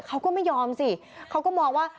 เขาก็ไม่ยอมสิเขาก็มองว่า